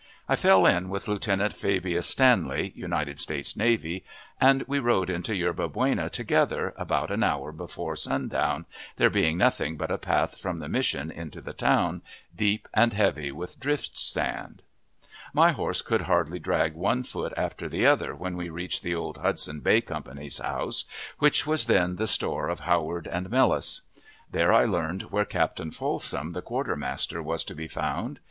I fell in with Lieutenant Fabius Stanley, United States Navy, and we rode into Yerba Buena together about an hour before sundown, there being nothing but a path from the Mission into the town, deep and heavy with drift sand. My horse could hardly drag one foot after the other when we reached the old Hudson Bay Company's house, which was then the store of Howard and Mellus. There I learned where Captain Folsom, the quartermaster, was to be found.